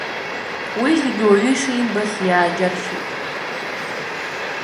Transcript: Уи зегь уаҩы ишимбац иааџьаршьеит.